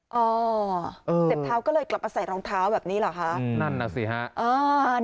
เจ็บเท้าก็เลยกลับมาใส่รองเท้าแบบนี้เหรอคะนั่นน่ะสิฮะอ่า